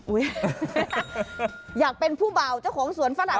อุ๊ยอยากเป็นผู้เบาเจ้าของสวนฝรั่งบอก